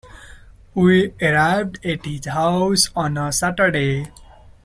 We arrived at his house on a Saturday.